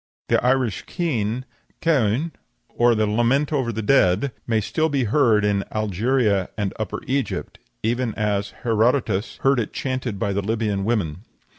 "The Irish keen (caoine), or the lament over the dead, may still be heard in Algeria and Upper Egypt, even as Herodotus heard it chanted by the Libyan women."